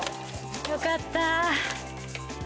よかった。